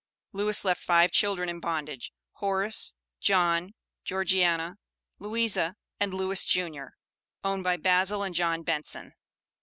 Lewis left five children in bondage, Horace, John, Georgiana, Louisa and Louis, Jr., owned by Bazil and John Benson.